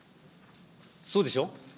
そうでしょ。